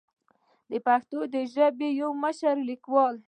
د پښتو ژبې يو مشر ليکوال